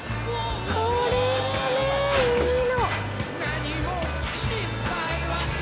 これがねいいの！